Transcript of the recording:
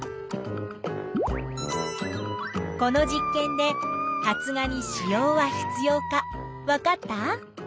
この実験で発芽に子葉は必要かわかった？